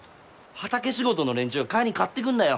畑仕事の連中が帰りに買ってくんだよ。